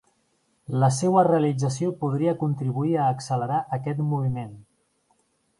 La seua realització podria contribuir a accelerar aquest moviment.